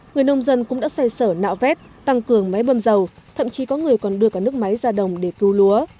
người nông dân cũng đã xây sở nạo vét tăng cường máy bơm dầu thậm chí có người còn đưa cả nước máy ra đồng để cứu lúa